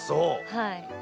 はい。